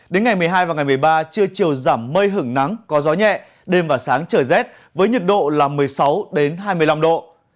đến ngày một mươi hai và ngày một mươi ba trưa chiều giảm mây hưởng nắng có gió nhẹ đêm và sáng trời rét với nhiệt độ là một mươi sáu hai mươi năm độ